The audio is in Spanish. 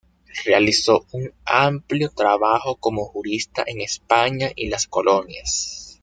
Realizó un amplio trabajo como jurista en España y las Colonias.